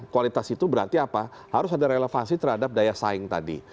kualitas itu berarti apa harus ada relevansi terhadap daya saing tadi